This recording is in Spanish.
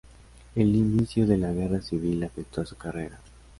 El inicio de la guerra civil afectó a su carrera.